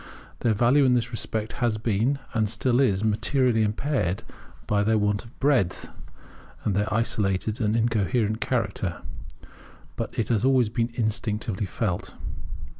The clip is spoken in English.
Their value in this respect has been and still is materially impaired by their want of breadth, and their isolated and incoherent character; but it has always been instinctively felt.